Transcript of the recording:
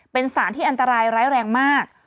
เป็นสารที่อันตรายร้ายแรงมาก